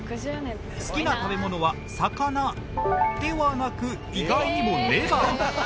好きな食べ物は魚ではなく意外にもレバー。